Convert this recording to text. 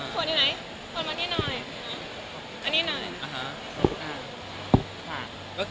ฝนมาที่นาย